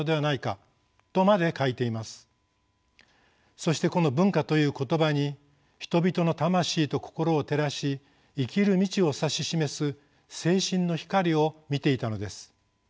そしてこの文化という言葉に人々の魂と心を照らし生きる道を指し示す精神の光を見ていたのです。